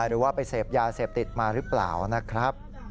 หรือว่าไปเสพยาเสพติดมาหรือเปล่านะครับ